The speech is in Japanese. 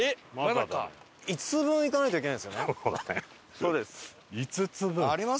そうです。